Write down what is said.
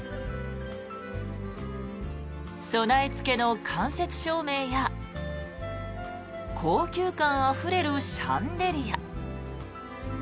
備えつけの間接照明や高級感あふれるシャンデリア。